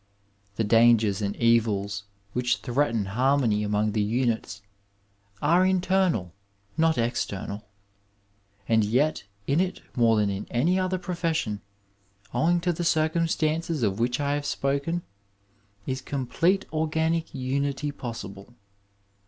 The dangers and evils which threaten harmony among the units, are internal, not external. And yet, in it more tlian in any other profession, owing to the circumstances of which I have spoken, is complete organic unity possible.